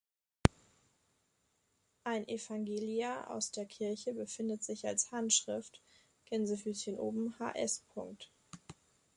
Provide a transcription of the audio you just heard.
Ein Evangeliar aus der Kirche befindet sich als Handschrift "Hs.